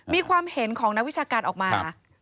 มีความเห็นของนักวิชาการออกมา